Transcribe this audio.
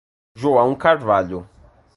João Carvalho